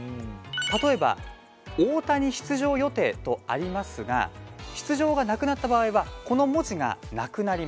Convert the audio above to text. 例えば大谷出場予定とありますが出場がなくなった場合はこの文字がなくなります。